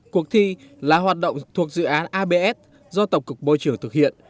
cuộc thi là hoạt động thuộc dự án abs do tổng cục môi trường thực hiện